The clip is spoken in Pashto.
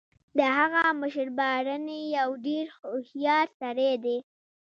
د هغه مشر بارني یو ډیر هوښیار سړی دی